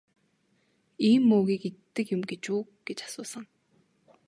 Ийм мөөгийг иддэг юм гэж үү гэж асуусан.